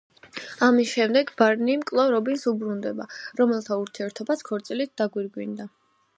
ამის შემდეგ ბარნი კვლავ რობინს უბრუნდება, რომელთა ურთიერთობაც ქორწილით დაგვირგვინდა.